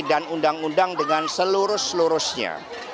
dan undang undang dengan seluruh seluruhnya